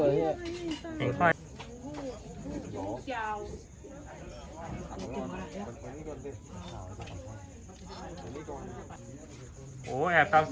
ไอ้ดาก็บอกไม่ต้องปิด